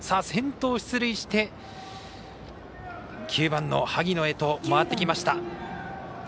先頭が出塁して９番の萩野へと回ってきました。